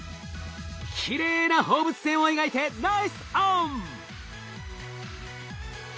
きれいな放物線を描いてナイスオン！